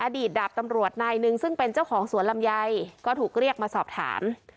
ดาบตำรวจนายหนึ่งซึ่งเป็นเจ้าของสวนลำไยก็ถูกเรียกมาสอบถาม